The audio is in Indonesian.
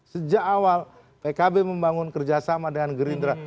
sejak awal pkb membangun kerjasama dengan gerindra